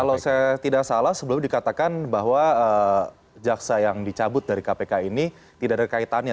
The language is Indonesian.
kalau saya tidak salah sebelum dikatakan bahwa jaksa yang dicabut dari kpk ini tidak ada kaitannya